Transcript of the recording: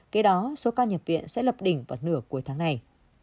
kể đó số ca nhiễm biến sẽ lập đỉnh vào nửa cuối tháng này